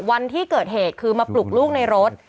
วันที่เกิดเหตุคือมาปลุกลูกในรถ